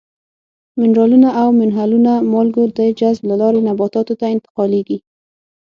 منرالونه او منحلو مالګو د جذب له لارې نباتاتو ته انتقالیږي.